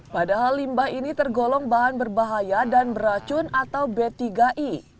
padahal limbah ini tergolong bahan berbahaya dan beracun atau b tiga i